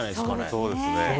そうですね。